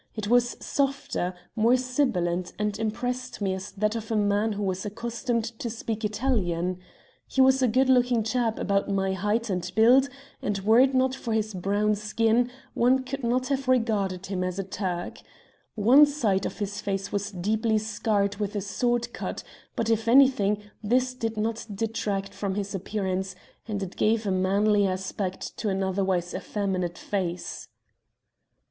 It was softer, more sibilant, and impressed me as that of a man who was accustomed to speak Italian. He was a good looking chap, about my height and build, and were it not for his brown skin, one would not have regarded him as a Turk. One side of his face was deeply scarred with a sword cut, but, if anything, this did not detract from his appearance, and it gave a manly aspect to an otherwise effeminate face."